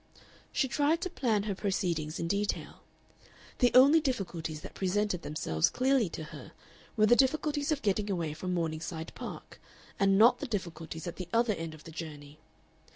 She tried to plan her proceedings in detail. The only difficulties that presented themselves clearly to her were the difficulties of getting away from Morningside Park, and not the difficulties at the other end of the journey.